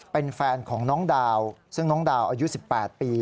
เป็นแฟนของน้องดาวซึ่งน้องดาวอายุ๑๘ปี